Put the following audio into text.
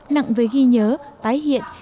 nặng với ghi nhớ tái hiện